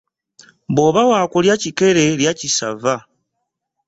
Bw'oba wa kulya kikere lya kisava.